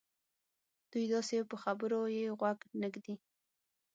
دوی داسې یوو په خبرو یې غوږ نه ږدي.